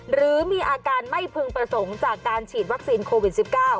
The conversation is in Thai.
หรือมีอาการไม่พึงประสงค์จากการฉีดวัคซีนโควิด๑๙